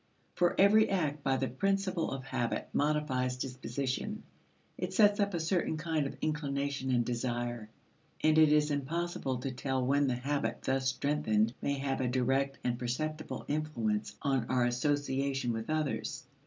For every act, by the principle of habit, modifies disposition it sets up a certain kind of inclination and desire. And it is impossible to tell when the habit thus strengthened may have a direct and perceptible influence on our association with others.